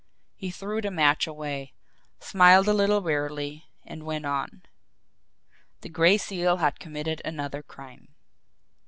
He threw the match away, smiled a little wearily and went on. The Gray Seal had committed another "crime."